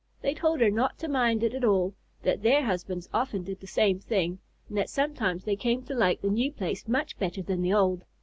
They told her not to mind it at all, that their husbands often did the same thing, and that sometimes they came to like the new place much better than the old.